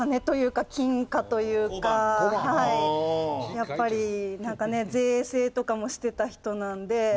やっぱりなんかね税制とかもしてた人なんで。